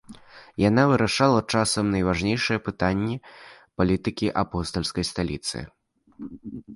Яна вырашала часам найважнейшыя пытанні палітыкі апостальскай сталіцы.